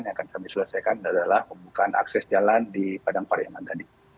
yang akan kami selesaikan adalah pembukaan akses jalan di padang paria mandali